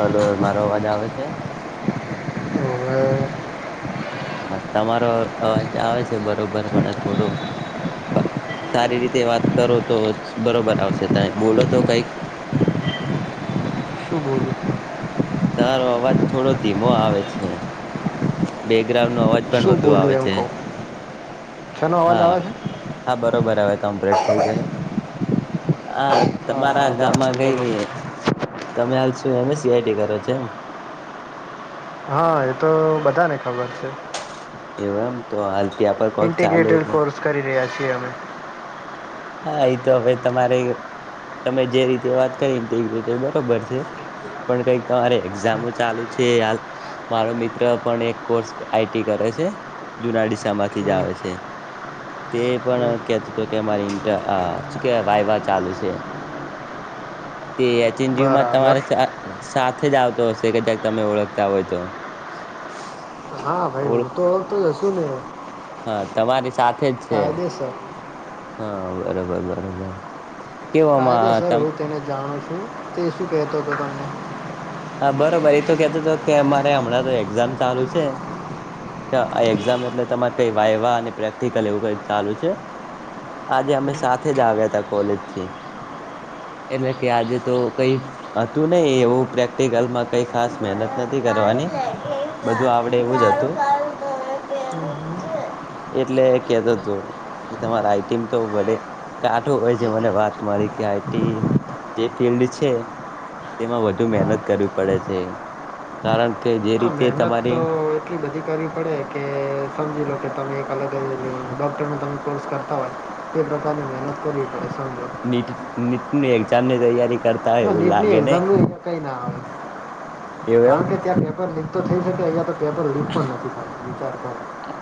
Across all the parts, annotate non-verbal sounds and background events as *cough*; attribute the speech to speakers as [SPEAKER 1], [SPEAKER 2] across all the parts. [SPEAKER 1] Hello, મારો અવાજ આવે છે.
[SPEAKER 2] હવે
[SPEAKER 1] હા, તમારો અવાજ આવે છે. બરોબર પણ થોડુ સારી રીતે વાત કરો, તો બરોબર આવશે તમે બોલો તો કઈક
[SPEAKER 2] શું બોલું
[SPEAKER 1] તારો અવાજ થોડો ધીમો આવે છે બેકગ્રાઉન્ડ ન અવાજ પણ
[SPEAKER 2] શું
[SPEAKER 1] વધુ
[SPEAKER 2] બોલું
[SPEAKER 1] આવે
[SPEAKER 2] એમ
[SPEAKER 1] છે
[SPEAKER 2] કહું શેનો અવાજ
[SPEAKER 1] હા
[SPEAKER 2] આવે છે
[SPEAKER 1] હા બરોબર હવે કમ્પ્લીટ થઈ ગયો હ
[SPEAKER 2] હા
[SPEAKER 1] તમારા
[SPEAKER 2] હા બરાબર
[SPEAKER 1] ગામમાં
[SPEAKER 2] બોલો
[SPEAKER 1] ગઈ તમે આો એમ સઆઈટી કરો છે એમ
[SPEAKER 2] હા એતો બધાને ખબર છે
[SPEAKER 1] એમ તો અલ્
[SPEAKER 2] ઇન્ટીગ્રેટેડ કોર્સ કરી રહ્યા છીએ અમે
[SPEAKER 1] હા આ તો હવે તમારે તમે જે રીતે વાત કરીનેતે બરોબર છે પણ કઈક તમારે એક્ઝામો ચાલુ છે ખ આલ મારો મિત્ર પણ એક કોર્સ આઈટી કરે છે જુના ડીશા માંથી જ
[SPEAKER 2] હમ
[SPEAKER 1] આવે છે તે
[SPEAKER 2] હમ
[SPEAKER 1] પણ કેતું તો કે મારી ન્ટ શું કે વાય વા ચાલુ છે તે અ ચિજીવમાં
[SPEAKER 2] બરાબર
[SPEAKER 1] તમારે સાથે જ આવતો હશે કે જ્યાક તમે ઓળખતા હોય, તો
[SPEAKER 2] હા, ભાઈ હું તો ઓળખ તો જ હશું ને
[SPEAKER 1] હા, તમારી સાથે જ છે.
[SPEAKER 2] કાયદેસર
[SPEAKER 1] હા, બરોબર- બરોબર
[SPEAKER 2] કાયદેસ
[SPEAKER 1] કેવોમાં તમ
[SPEAKER 2] હુ તેને જાણું છુ, તે શું કહેતો હતો તમને
[SPEAKER 1] હા, બરોબર એતો કેતો હતો કે અમારે હમણાં તો એક્ઝામ ચાલુ છે. કે આ એક્ઝામ એટલે તમારે, કઈ વા એવા અને પ્રેક્ટિકલ એવું કઈ ચાલુ છે. આજે અમે સાથે જ આવ્યા હતા, કોલેજ થી. એટલે કે આજે, તો કઈ હતુ નહ એવુ પ્રેક માં કઈ ખાસ મહેનત નથી કરવાની બધું આવડે એવું જ હતું *inaudible* એટલે કેતો જો કે તમારા આઈટીમ તો બડે કાઠો હોય છે મને વાત મારી ફ છે તેમાં વધુ મનત કરવી પડે છે કારણ કે જે રીતે તમારે
[SPEAKER 2] ન કરવી પડે કે સમજી લો કે તમે એક અલગ જ ડૉક્ટરનો તમે કોર્સ કરતા હોય તે પ્રકારની મહેનત કરી પ
[SPEAKER 1] નીટ નીટની એક્ઝામ ની તૈયારી કરતા હોય
[SPEAKER 2] ના
[SPEAKER 1] એવું
[SPEAKER 2] નીટ ની
[SPEAKER 1] લાગે નહી
[SPEAKER 2] એઝામ નું અ કઈ ના
[SPEAKER 1] એવું એમ
[SPEAKER 2] આવે કાર કે ત્યાં પેપર લીક તો થઈ શકે અહિયાં તો પેપર લીક પણ નથી થ વિચાર કર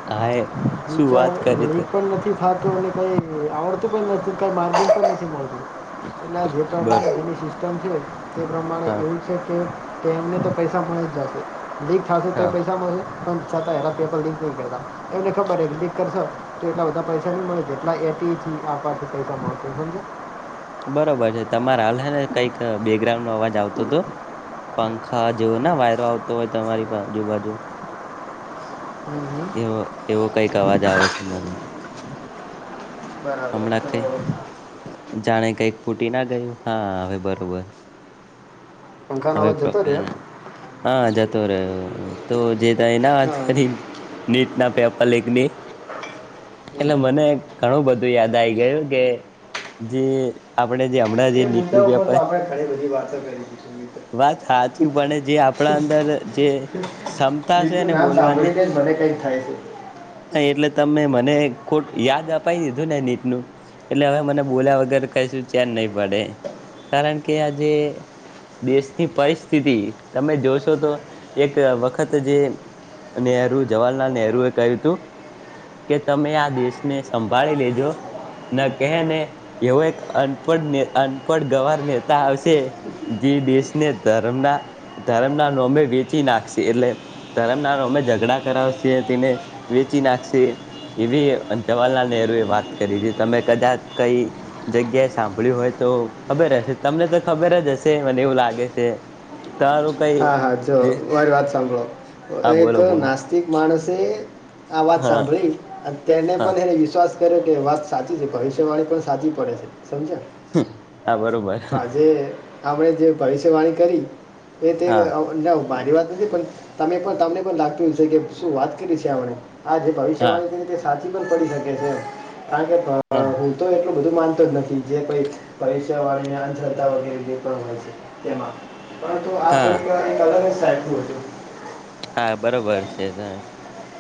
[SPEAKER 1] હા એ શું
[SPEAKER 2] વિચાર
[SPEAKER 1] વાત કરી તે
[SPEAKER 2] લોરીટ પણ નથી થત મને કઈ આવડતું પણ નથી કઈ માર પણ નથી મળતું એલે જે
[SPEAKER 1] બર
[SPEAKER 2] પ્રબ્લેમ તે પ્રમાણે
[SPEAKER 1] હા
[SPEAKER 2] એવું છે કેમને તો પૈસા મળે જ જશે લીક થશે તો
[SPEAKER 1] હા
[SPEAKER 2] પૈસા મળશે પણ છતાં એના પેપર લીક નહી કરતા એમને ખબર લીક કરશો તો એટલા બધા પૈસા નહી મળે જેટલા એ તેથી આથી પૈસા મહવ સમજ
[SPEAKER 1] બરોબર છે તમારે હાલ છે ને કઈક બેકગ્રાઉન્ડ નો અવાજ આવતો હતો પંખા જેવ ના વાયરો આવતો હોય તમારી આજુબાજુ
[SPEAKER 2] હમ હમ
[SPEAKER 1] એવો એવો કઈક અવાજ આવે છે મને
[SPEAKER 2] બરાબર
[SPEAKER 1] હમણાં
[SPEAKER 2] તો
[SPEAKER 1] કઈ જાણે કઈક ફૂટી ના ગયું હા હવે બરોબર
[SPEAKER 2] પંખાનો
[SPEAKER 1] હવે
[SPEAKER 2] અવાજ જતો
[SPEAKER 1] પ્રોપર
[SPEAKER 2] રહ્યો
[SPEAKER 1] હા અરે યો તો જે એ ના વાત
[SPEAKER 2] હા
[SPEAKER 1] કરી
[SPEAKER 2] હમ
[SPEAKER 1] નીટ ના પેપર લીક ની એટલે
[SPEAKER 2] હમ.
[SPEAKER 1] મને ઘણું બધું યાદ આવી ગયું કે જે આપણે જે હમણાં જે
[SPEAKER 2] એ
[SPEAKER 1] નીટનું
[SPEAKER 2] મુદ્દા ઉપર
[SPEAKER 1] પેપર
[SPEAKER 2] તો આપણે ઘણી બધી વાતો કરી દીધી મિત્ર
[SPEAKER 1] વાત સાચી પણ જે આપણા અંદર જે ક્ષમતા છે ને બોલવાની
[SPEAKER 2] કઈ થાય છે
[SPEAKER 1] હા એટલે તમે મને ખોટ યાદ અપાઈ દીધું ને, નીટનું એટલે હવે મને બોલ્યા વગર કઈ શું ચેન નહી પડે કારણ કે આજે દેશની પરિસ્થિતિ તમે જોશો તો એક વખત જે નહેરુ જવાહરલાલ નેહેરુ એ કહ્યું તું કે તમે આ દેશને સંભાળી લેજો ના કહે ને એવો એક અનપડ ગવાર નેતા આવશે. જે દેશને ધર્મના ધર્મના નોમે વેચી નાખશે એટલે ધરમ નારો અમે ઝઘડા કરાવશે તેને વેચી નાખશે એવી જવાહરલાલ નહેરુ એ વાત કરી તી તમે કદાચ કઈ જગ્યાએ સાંભળ્યું હોય તો ખબર હશે તમને તો ખબર જ હશે મને એવું લાગે છે તારું કઈ
[SPEAKER 2] હા હા જો
[SPEAKER 1] જે
[SPEAKER 2] વારી વાત સાંભળો
[SPEAKER 1] હા
[SPEAKER 2] એક
[SPEAKER 1] બોલો બોલો
[SPEAKER 2] નાસ્તિક માણસ એ આ વાત
[SPEAKER 1] હા
[SPEAKER 2] સાંભળી તેને
[SPEAKER 1] હા
[SPEAKER 2] પણ એને વિશ્વાસ કરે કે વાત સાચી છે ભવિષ્યવાળી પણ સાચી પડે છે. સમજ
[SPEAKER 1] હા બરોબર
[SPEAKER 2] આજે આપણે જે ભવિષ્યવાણી કરી એ તે
[SPEAKER 1] હા
[SPEAKER 2] ન મારી વાત નથી પણ તમે પણ તમને પણ લાગતું છે કે શું વાત કરી છે આપણે આ જે
[SPEAKER 1] હા
[SPEAKER 2] ભવિષ્યવાણી છે તે સાચી પણ પડી શકે છે કારણ કે
[SPEAKER 1] હા
[SPEAKER 2] હું તો એટલું બધું માન નથી જેઈ પરીક્ષા વાળીને આરતા વગેરે જે પણ હોય છે તેમાં આ
[SPEAKER 1] હા
[SPEAKER 2] થોડું એક અલગ જ સાચુ હતું
[SPEAKER 1] હા બરોબર છે જ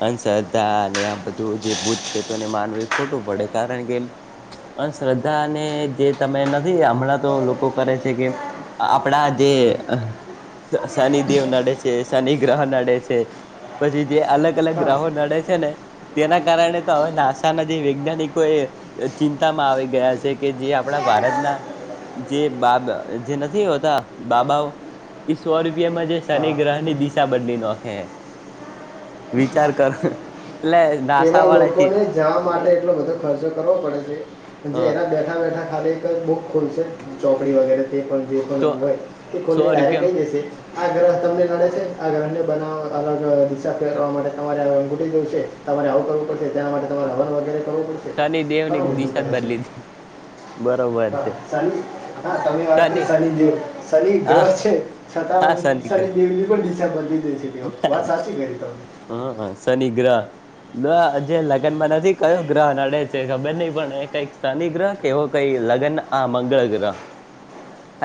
[SPEAKER 1] અંધશ્રધ્ધા અને આ બધું જે ભૂત પ્રેત તોને માનવું એ ખોટું પડે કારણ કે અંધશ્રદ્ધા ને જે તમે નથી હમણાં તો લોકો કરે છે કે આપણા જે શનિદેવ નડે છે શનિ ગ્રહ નડે છે પછી જે અલગ અલગ
[SPEAKER 2] હા
[SPEAKER 1] ગ્રહો નડે છે ને તેના કારણે તો હવે નાસાના જે વૈજ્ઞાનિકો એ ચિંતામાં આવી ગયા છે કે જે આપણા ભારતના જે બાબ જે નથી હોતા બાબાઓ ઈ સો રૂપિયામાં જે શનિ
[SPEAKER 2] હા
[SPEAKER 1] ગ્રહ ની દિશા બદલી ન હતો. હે વિચાર કરો
[SPEAKER 2] એવા લોકોને જવા માટે એટલો બધો ખર્ચો કરવો પડે છે
[SPEAKER 1] હ
[SPEAKER 2] જે એના બેઠા બેઠા ખાલી એક બુક ખુલશે ચોકડી વગેરે એ પણ જે
[SPEAKER 1] તો
[SPEAKER 2] પણ હોય એ તે
[SPEAKER 1] સો
[SPEAKER 2] ખોલીને ડાયરેક્ટ
[SPEAKER 1] રૂપિયામ
[SPEAKER 2] કહી દેશે આ ગ્રહ તમને પડે છે આ અય બનાવા અલગ દિશા ફેરવા માટે તમારે ઉમટી જયું છે તમારે આવું કરવું પડશે ત્યાં માટે તમારે હવન વગેરે કરવું પડશે
[SPEAKER 1] શનિદેવની
[SPEAKER 2] ઘણું બધું
[SPEAKER 1] દિશા
[SPEAKER 2] કહે
[SPEAKER 1] જ
[SPEAKER 2] છે.
[SPEAKER 1] બદલી દી બરોબર છે
[SPEAKER 2] શનિ હા તમે વાત કરી શનિ જેવ શનિ
[SPEAKER 1] હા
[SPEAKER 2] ગ્રહ છે છતાં
[SPEAKER 1] હા શનિ ગ્રહ
[SPEAKER 2] શનિદેવની પણ ડિસેમ્બર લીધે છે કેવ વાત સાચી કરી તને,
[SPEAKER 1] શનીગ્રહ ગ્રહ આજે લગ્નમાં નથી કયો ગ્રહ નડે છે ખબર નહિ પણ એ કઈક શનિ ગ્રહ કે એવો કઈ લગન આ મંગળ ગ્રહ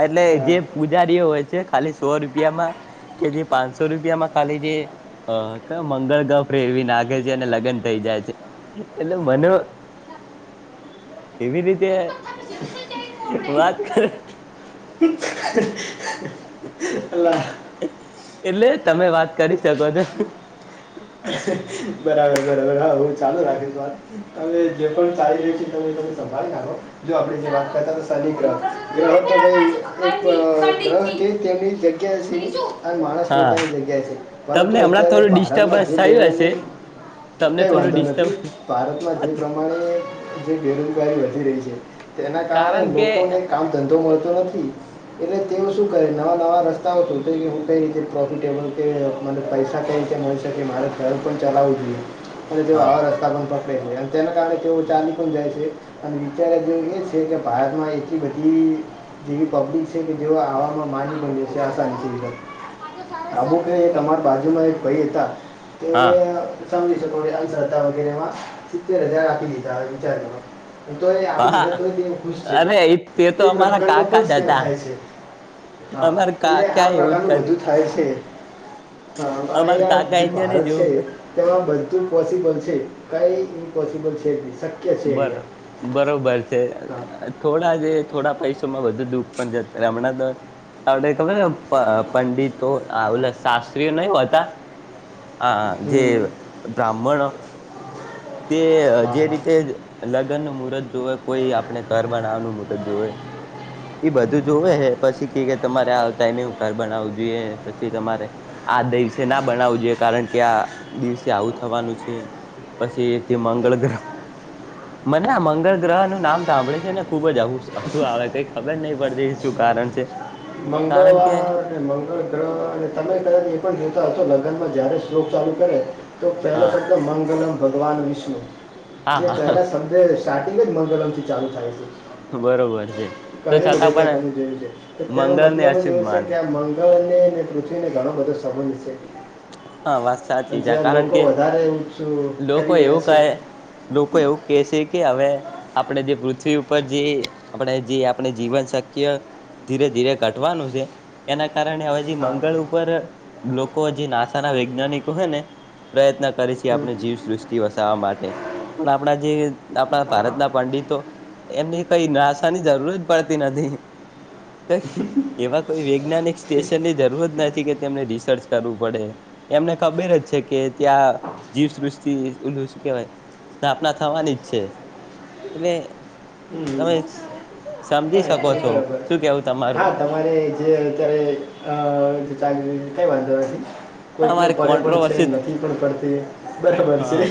[SPEAKER 1] એટલે
[SPEAKER 2] હા.
[SPEAKER 1] જે પૂજારીઓ હોય છે ખાલી સો રૂપિયામાં કે જે પાંચસો રૂપ એમાં ખાલી જે હ મંગળ ગહ ફેરવી નાખે છે અને લગ્ન થઈ જાય છે એટલે મને કોઈ ના એવી રીતે વાત કરે
[SPEAKER 2] હ
[SPEAKER 1] એટલે તમે વાત કરી શકો છો
[SPEAKER 2] હ. બરાબર -બરાબર હા હું ચાલુ રાખી વાત તમે જે પણ સા રહી છે સંભાળ નાખો જો આપણે જે વાત કરતા તો શનિ ગ્રહ ગ્રહ તો ભાઈ એક ગ્રહ કે તેમની
[SPEAKER 1] છો
[SPEAKER 2] જગ્યા માણસ
[SPEAKER 1] હા
[SPEAKER 2] પોતાની જગ્યા છે પરંતુ
[SPEAKER 1] તમને હમણાં
[SPEAKER 2] અત્યારે
[SPEAKER 1] થોડું
[SPEAKER 2] ભારતમાં જે
[SPEAKER 1] ડિસ્ટર્બન્સ થયું હશે
[SPEAKER 2] દવાની
[SPEAKER 1] તમને
[SPEAKER 2] કઈ
[SPEAKER 1] થોડું
[SPEAKER 2] વાંધો
[SPEAKER 1] ડિસ્ટર્બ
[SPEAKER 2] નથી ભારતમાં જે પ્રમાણે જે બેરોજગારી ર એના કારણે
[SPEAKER 1] કારણ કે
[SPEAKER 2] લોકોને કામ ધંધો નથી એટલે તેઓ શું કરે નવા- નવા રસ્તાઓ તો તો હું કઈ રીતે પ્રોફિટેબલ કે મને પૈસા કઈ રીતે મળી શકે મારે ઘમ પણ ચલાવવું જોઈએ અને તેઓ
[SPEAKER 1] હા
[SPEAKER 2] આવા રસ્તા પણ પકડે છે એમ તેના કારણે તેઓ ચાલી પણ જાય છે અને વિચાર જે એ છે કે ભારતમાં એટલી બધી જેવી પબ્લિક છે કે જે આવા ની આની આબુ કે તમારા બાજુમાં એક ભાઈ હતા. તે
[SPEAKER 1] હા
[SPEAKER 2] ઉ. સમકો અશ્રદ્ા વગેરે માં સિત્તેર હજાર રાખી દીધા વિચાર તો એ આપ દીધા
[SPEAKER 1] હા
[SPEAKER 2] તોય ખુશ છે
[SPEAKER 1] અરે એ તે તો
[SPEAKER 2] એ
[SPEAKER 1] અમારા
[SPEAKER 2] પ્રકારનો
[SPEAKER 1] કાકા
[SPEAKER 2] પણ
[SPEAKER 1] જ
[SPEAKER 2] કેમ
[SPEAKER 1] હતા
[SPEAKER 2] થાય છે. હા
[SPEAKER 1] અમારા
[SPEAKER 2] એટલે
[SPEAKER 1] કાકા
[SPEAKER 2] આ
[SPEAKER 1] એવું જ
[SPEAKER 2] પ્રકારનું
[SPEAKER 1] કર્યું
[SPEAKER 2] બધું થાય છે. હા
[SPEAKER 1] અમાર
[SPEAKER 2] અહીંયા
[SPEAKER 1] કાકા
[SPEAKER 2] જે
[SPEAKER 1] અહિયાંને
[SPEAKER 2] ભારત છે
[SPEAKER 1] જેવું
[SPEAKER 2] તેમાં બધું પોસિબલ છે કઈ મ્પોસિબલ છે દસ *unintelligible*
[SPEAKER 1] બ બરોબર છે
[SPEAKER 2] હા
[SPEAKER 1] થોડા જે થોડા પૈસા માં વધુ દુઃખ પણ છે હમણાં દ આપને ખબરને પંડિતો શાસ્ત્રીઓ નહ હતા. હા હા જે
[SPEAKER 2] હમ
[SPEAKER 1] બ્રાહ્મણ. તે
[SPEAKER 2] હા
[SPEAKER 1] જે
[SPEAKER 2] હા
[SPEAKER 1] રીતે લગ્ન નું મુહૂર્ત જોવે કોઈ આપણે ઘર બનાવાનું મુહૂર્ત જોવે. *inaudible* એ બધું જોવે હ પછી કે કે તમારે આ ટાઈમિંગ ઘર બનાવવું જોઈએ પછી તમારે આ દિવસે ના બનાવું જોઈએ કારણ કે આ દિવસે આવું થવાનું છે. પછી થી મગલ ગ્રહ મને આ મંગળ ગ્રહ નું નામ સાંભળે છે ને ખુબ જ આવું શું આવે કઈ ખબર નહી પડતી એ શું કારણ છે. કારણ કે
[SPEAKER 2] મંગળવાર અને મંગળ ગ્રહ અને તમે કદાચ એ પણ જતા છો ન નમાં જારે શ્લોક ચાલુ કરે તો પહેલો
[SPEAKER 1] હા
[SPEAKER 2] શબ્દ મંગલમ ભગવાન વિષ્ણુ.
[SPEAKER 1] હા
[SPEAKER 2] જે પેલા
[SPEAKER 1] હા
[SPEAKER 2] શબ્જે સ્ટાર્ટિંગ જ મગરમ થી ચાલુ થાય છે.
[SPEAKER 1] બરોબર છે તો
[SPEAKER 2] ઘણી
[SPEAKER 1] છતાં
[SPEAKER 2] જગ્યા
[SPEAKER 1] પણ
[SPEAKER 2] તમે જોયું છે તો તેનો
[SPEAKER 1] મંગળને
[SPEAKER 2] મતલબ જ
[SPEAKER 1] અશુભ માન
[SPEAKER 2] એવું છે કે પૃથ્વીને ઘણો બધો સંબંધ છે.
[SPEAKER 1] હા વાત સાચી છે
[SPEAKER 2] જ્યા
[SPEAKER 1] કારણ
[SPEAKER 2] લોકો
[SPEAKER 1] કે
[SPEAKER 2] વધારે
[SPEAKER 1] લોકો
[SPEAKER 2] કરી રહ્યા
[SPEAKER 1] એવું
[SPEAKER 2] છે
[SPEAKER 1] કહે લોકો એવું કે છે કે હવે આપણે જે પૃથ્વી ઉપર જે આપણે જે આપણે જીવન શક્ય ધીરે -ધીરે ઘટવાનું છે એના કારણે હવે
[SPEAKER 2] હા
[SPEAKER 1] મંગળ ઉપર લોકો જે નાસાના વૈજ્ઞાનિકો હોયને પ્રયત્ન કર.
[SPEAKER 2] હમ
[SPEAKER 1] આપણે જીવ સૃષ્ટિ વસાવવા માટે પણ આપણા જે આપણા ભારતના પંડિતો એમને કઈ નિરાશાની જરૂર જ પડતી નથી. ક એવા કોઈ વૈજ્ઞાનિક સ્ટેશનની જરૂર જ નથી કે તેમને રિસર્ચ કરવું પડે. એમને ખબર જ છે કે ત્યાં જીવસૃષ્ટિ ઓલું શું કેવાય સ્થાપના થવાની જ છે. એટલે
[SPEAKER 2] હમ.
[SPEAKER 1] તમે સમજી
[SPEAKER 2] હા
[SPEAKER 1] શકો
[SPEAKER 2] એ
[SPEAKER 1] છો
[SPEAKER 2] બરાબર
[SPEAKER 1] શું કેવું? તમારું
[SPEAKER 2] હા તમારે જે અત્યારે ચ કઈ વાંધોવાથી. કોઈકને
[SPEAKER 1] તમારે
[SPEAKER 2] પડે પણ છે
[SPEAKER 1] કોન્ટ્રોવર્સી
[SPEAKER 2] નથી પણ પડતી બરાબર છે
[SPEAKER 1] હા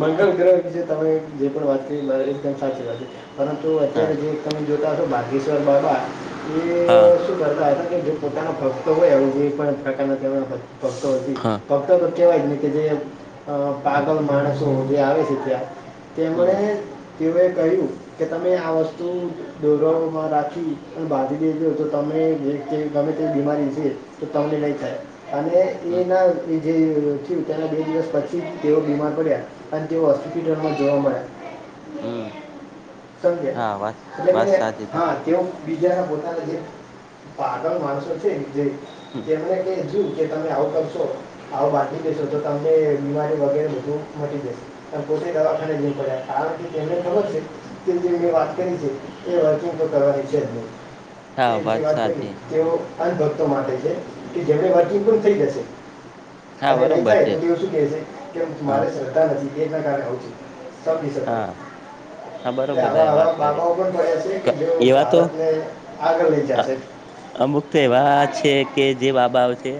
[SPEAKER 2] મંગલ ગ્રહ છે તમે જે પણ વાત છે એકદમ સાચી વાત છે પરંતુ
[SPEAKER 1] હા
[SPEAKER 2] અત્યારે જે તમે જોતા હશોાર બાાગેશ્વર બાબા
[SPEAKER 1] હા
[SPEAKER 2] એ શું કરતા કે પોતાના ભક્તો હોય આવું જે પણ કાનાહેના ભક્તો હતી
[SPEAKER 1] હા
[SPEAKER 2] ફક્તો નથી. કેવાય ને કે જે પાગલ માણસો જે આવે છે ત્યાં
[SPEAKER 1] હમ
[SPEAKER 2] તેમણે. તેઓએ કહ્યું, કે તમે આ વસ્તુ દોરમાં રાખી, પણ બાંધી લે જો, તો તમે જે ગમે તે બીમારી છે, તો તમને નહીં થાય. અને
[SPEAKER 1] હમ
[SPEAKER 2] એ નાથી. જે થયું તેના બે દિવસ પછી તેઓ બીમાર પડ્યા, અને તેઓ હોસ્પિટલમાં જોવા મળ્યા.
[SPEAKER 1] હમ
[SPEAKER 2] સમજે
[SPEAKER 1] હા વાત
[SPEAKER 2] એટલે
[SPEAKER 1] વાત
[SPEAKER 2] કે
[SPEAKER 1] સાચી તમે
[SPEAKER 2] હા તેઓ બીજા ના પોતાના જે પાગલ માણસો છે, જે તેમને કે કે તમે આવું કરશો આવું બાકી દેશો તો તમને બીમારી વગેરે બધું મટી જશે. ની *unintelligible* *inaudible*
[SPEAKER 1] હા
[SPEAKER 2] તે જે વાત કરી
[SPEAKER 1] સાચી
[SPEAKER 2] તેઓ, ખાલી ભક્તો માટે છે, કે જેણે વાંચી પણ થઈ જશે.
[SPEAKER 1] હા
[SPEAKER 2] અને નહીં
[SPEAKER 1] બરોબર
[SPEAKER 2] થાય
[SPEAKER 1] છે
[SPEAKER 2] તો તેવ શું કેહે છે, કે
[SPEAKER 1] હા
[SPEAKER 2] મારે શ્રધ્ધા નથી એના કારણે હોઉ છે. સમજી શકો
[SPEAKER 1] હા હા
[SPEAKER 2] એ
[SPEAKER 1] બરોબર તમે
[SPEAKER 2] આવા
[SPEAKER 1] વાત
[SPEAKER 2] વા
[SPEAKER 1] કરી
[SPEAKER 2] બાબાઓ પણ ભણે છે, કે જે
[SPEAKER 1] એવા તો
[SPEAKER 2] ભારતને આગળ લઈ જશે
[SPEAKER 1] અમુક તો એવા છે, કે જે બાબાવ છે.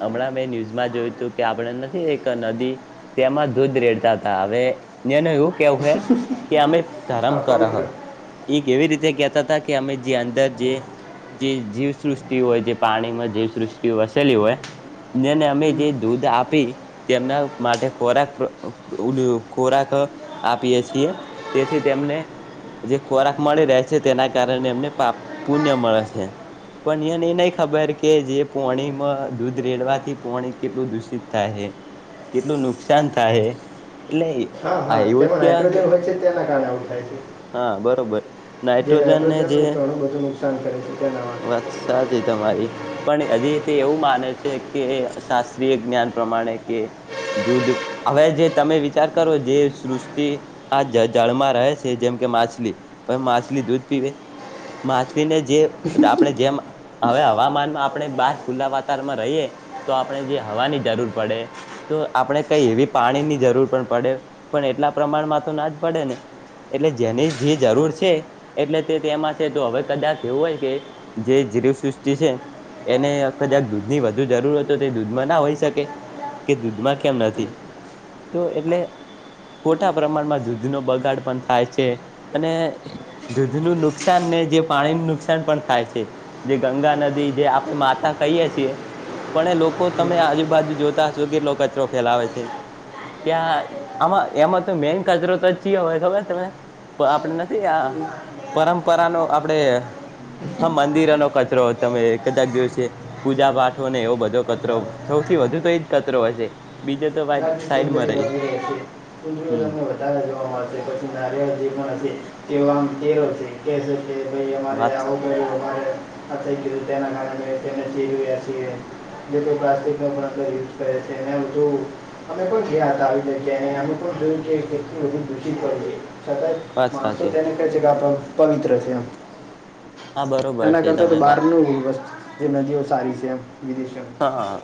[SPEAKER 1] હમણાં મેં ન્યૂઝમાં જોયું હતું, કે આપણે નથી એક નદી તેમાં દૂધ રેડતા હતા, હવે ન્યાનો આવું. કેવું કે અમે ધર્મ
[SPEAKER 2] હા,
[SPEAKER 1] કરહ
[SPEAKER 2] પવિત્ર
[SPEAKER 1] એક એવી રીતે કેતા હતા કે અમે જે અંદર જે જે જીવ. સૃષ્ટિ હોય જે પાણી માં જેવી સૃષ્ટિ વસેલી હોય. જેને અમે
[SPEAKER 2] હમ.
[SPEAKER 1] જે દૂધ આપી. તેમના માટે ખોરાક ખોરાક આપીએ છીએ, તેથી તેમને જે ખોરાક મળી રહે છે, તેના કારણે એમને પાપ પુણ્ય મળે છે. પણ એને એ નહીં ખબર કે જે પોણીમાં દૂધ રેડવાથી પોણી કેટલું દૂષિત થાય છે. કેટલું નુકસાન થાય એટલે.
[SPEAKER 2] હા
[SPEAKER 1] આ
[SPEAKER 2] હા
[SPEAKER 1] એવું જ
[SPEAKER 2] તેમાં
[SPEAKER 1] ક્યાં
[SPEAKER 2] નાઇટ્રોજન હોય છે, તેના કારણે આવું થાય છે.
[SPEAKER 1] હા બરોબર
[SPEAKER 2] જે
[SPEAKER 1] નાઈટ્રોજન ને જે
[SPEAKER 2] નાઇટ્રોજનનું ઘણું બધું નુકસાન કરે છે તેના માટે
[SPEAKER 1] વાત સાથે તમારી પણ હજી તે એવું માને છે, કે શાસ્ત્રીય જ્ઞાન પ્રમાણે કે દૂધ હવે જે તમે વિચાર કરો જે સૃષ્ટિ આ જળમાં રહે છે, જેમ કે માછલી માછલી દૂધ પીવે મા છલી ને જે આપણે જેમ હવે હવામાનમાં આપણે બહાર ખુલ્લા વાતાવરણમાં રહીએ, તો આપણે જે હવાની જરૂર પડે તો આપણે કંઈ એવી પાણીની જરૂર પણ પડે પણ એટલા પ્રમાણમાં તો ના જ પડે ને એટલે જેની જે જરૂર છે, એટલે તે તેમાં છે, તો હવે કદાચ એવું હોય કે જે જી સૃષ્ટિ છે, એને કદાક દૂધ ની વધુ જરૂરત હો તો દૂધમાં ના હોય શકે? કે દૂધમાં કેમ નથી. તો એટલે ખોટા પ્રમાણમાં દુધ નો બગાડ પણ થાય છે, અને દૂધ નું નુકસાન ને જે પાણીનું નુકસાન પણ થાય છે. જે ગંગા નદી જે આપણે માતા કહીએ છીએ. પણ એ લોકો તમે આજુબાજુ જોતા હશો કેટલો કચરો ફેલાવે છે. ત્યાં આમાં એમાં તો મેન કચરો તો જ છે, હોય ખબર? તમે આપડે નથી આ પરંપરા ન આપડે હા મંદિરો નો કચરો તમે કદાક દિવસે પૂજા પાઠ હો ને એવો બધો કચરો સૌથી થી વધુ તો એજ કચરો હોય છે.
[SPEAKER 2] *unintelligible* જે પણ
[SPEAKER 1] હમ
[SPEAKER 2] હશે તે આમ કેવ છે, કે ભાઈ અમારે
[SPEAKER 1] વાત
[SPEAKER 2] આવું થઈ ગયું. છીએ જે પ્લાસ્ટિકનો પણ અંદર યુઝ કરે છે, એને બધું અમે પણ ગયા હતા, આવીને અ પણ જોયું દુર છે. સદાચ
[SPEAKER 1] વાત
[SPEAKER 2] માણસો
[SPEAKER 1] સાચી
[SPEAKER 2] તેને કહે છે, કે આપ પવિત્ર છે, એમ
[SPEAKER 1] હા બરોબર
[SPEAKER 2] એના
[SPEAKER 1] છે
[SPEAKER 2] કરતા
[SPEAKER 1] તમે
[SPEAKER 2] તો
[SPEAKER 1] વાત
[SPEAKER 2] બહારનું જે નદીઓ સારી છે એમ વિદેશોમાં
[SPEAKER 1] હા